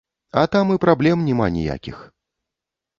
А там і праблем няма ніякіх.